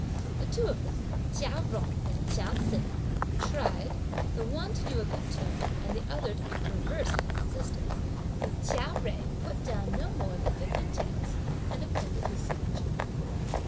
The two of them (Chia Jung and Chia Se) tried, the one to do a good turn, and the other to be perverse in his insistence; but (Chia Jui) put down no more than fifty taels, and appended his signature.